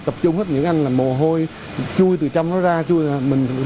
tập trung hết những anh làm mồ hôi chui từ trong nó ra chui